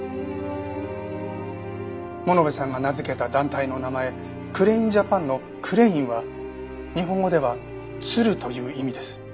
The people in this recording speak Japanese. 物部さんが名付けた団体の名前クレインジャパンの「クレイン」は日本語では「鶴」という意味です。